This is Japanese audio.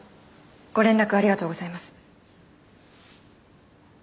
ご連絡ありがとうございます。